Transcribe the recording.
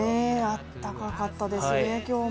あったかかったですね、今日も。